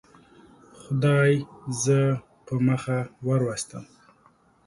خدای زه په مخه وروستم.